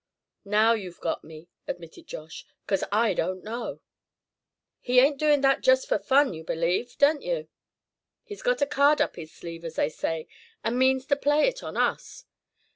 "Now you've got me," admitted Josh, "'cause I don't know." "He ain't doing that just for fun, you believe, don't you? He's got a card up his sleeve, as they say; and means to play it on us.